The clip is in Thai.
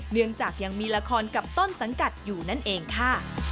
เนื่องจากยังมีละครกับต้นสังกัดอยู่นั่นเองค่ะ